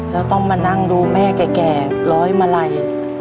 แล้วต้องมานั่งดูแม่แก่ร้อยมาลัย